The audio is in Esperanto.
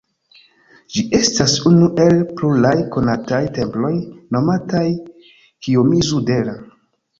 Ĝi estas unu el pluraj konataj temploj nomataj Kijomizu-dera.